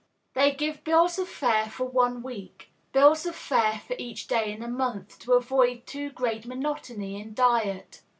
They give bills of fare for one week; bills of fare for each day in a month, to avoid too great monotony in diet.